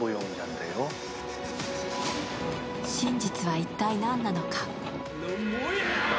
真実は一体、何なのか。